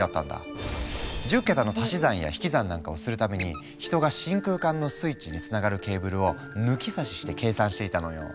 １０桁の足し算や引き算なんかをするために人が真空管のスイッチにつながるケーブルを抜き差しして計算していたのよ。